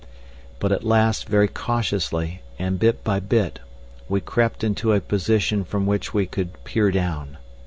But at last very cautiously and bit by bit we crept into a position from which we could peer down.